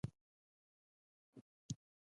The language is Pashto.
خپلې کوټې ته راورسېدم.